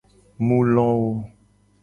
Mu lo wo.